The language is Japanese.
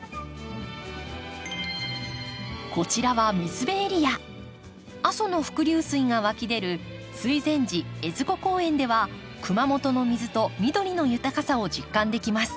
こちらは阿蘇の伏流水が湧き出る水前寺江津湖公園では熊本の水と緑の豊かさを実感できます。